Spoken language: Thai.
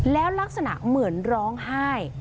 แล้วลักษณะเหมือนร้องไห้